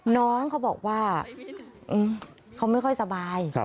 น้องเขาบอกว่าเขาไม่ค่อยสบาย